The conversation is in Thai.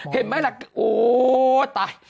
เห็นไหมล่ะโอ้ตาย